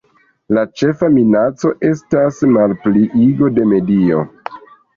La ĉefa minaco estas malpliigo de medio.